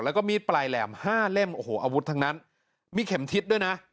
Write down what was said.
แล้วก็มีดปลายแหลมห้าเล่มโอ้โหอาวุธทั้งนั้นมีเข็มทิศด้วยนะ